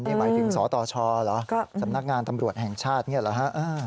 หมายถึงสตชหรือสำนักงานตำรวจแห่งชาตินี่หรือ